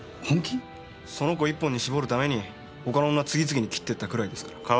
その子一本に絞るために他の女次々に切っていったくらいですから。